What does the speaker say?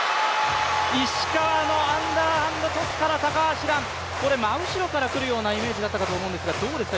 石川のアンダーハンドトスから高橋藍、これ真後ろから来るようなイメージだったかと思うんですが、どうですか